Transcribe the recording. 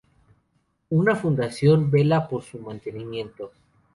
Una fundación vela por su mantenimiento.